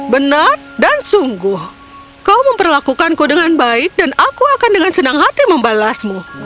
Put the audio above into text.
benar dan sungguh kau memperlakukanku dengan baik dan aku akan dengan senang hati membalasmu